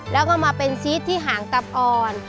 แล้วก็มาเป็นซีสที่หางตับอ่อน